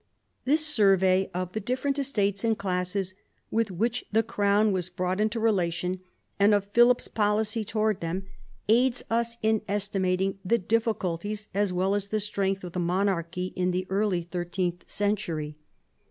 This survey of the different estates and classes with which the crown was brought into relation, and of Philip's policy towards them, aids us in estimating the difficulties, as well as the strength, of the monarchy in the early thirteenth century.